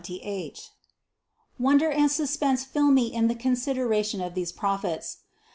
Wonder and suspense fill me in the consideration of these prophets.